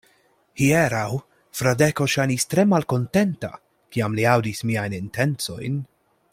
Hieraŭ Fradeko ŝajnis tre malkontenta, kiam li aŭdis miajn intencojn.